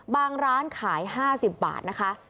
ร้านขาย๕๐บาทนะคะ